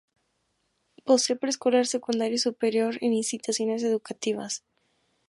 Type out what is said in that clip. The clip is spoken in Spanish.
Posee preescolar, secundaria y superior en instituciones educativas.